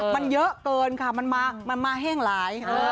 มันเยอะเกินค่ะมันมาแห้งหลาย